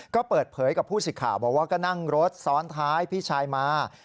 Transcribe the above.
ก็เปิดเผยกับผู้สิทธิ์ข่าวบอกว่าก็นั่งรถซ้อนท้ายพี่ชายมา